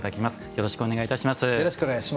よろしくお願いします。